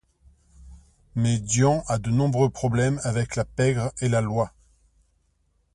Mais Dion a de nombreux problèmes avec la pègre et la loi.